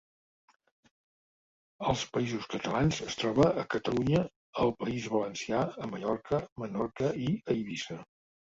Als Països Catalans, es troba a Catalunya, al País Valencià, a Mallorca, Menorca i Eivissa.